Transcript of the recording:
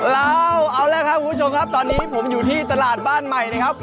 เราเอาแล้วครับคุณผู้ชมครับตอนนี้ผมอยู่ที่ตลาดบ้านใหม่นะครับ